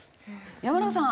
山中さん